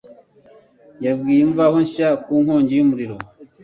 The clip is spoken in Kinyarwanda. yabwiye Imvaho Nshya ku inkongi y'umuriro